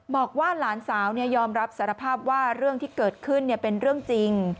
บอกว่าหลานสาวยอมรับสารภาพว่าเรื่องที่เกิดขึ้นเป็นเรื่องจริง